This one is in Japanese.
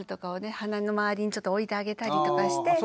鼻の周りにちょっと置いてあげたりとかして。